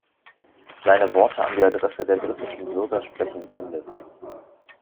Seine Worte an die Adresse der britischen Bürger sprechen Bände.